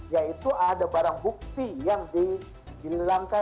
yaitu ada barang bukti yang dilangka